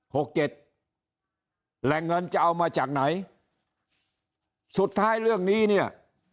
หกเจ็ดแหล่งเงินจะเอามาจากไหนสุดท้ายเรื่องนี้เนี่ย